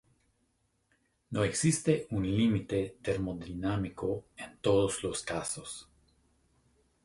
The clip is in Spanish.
No existe un límite termodinámico en todos los casos.